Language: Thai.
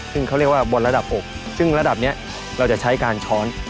ซึ่งเขาเรียกว่าบอลระดับอกซึ่งระดับนี้เราจะใช้การช้อน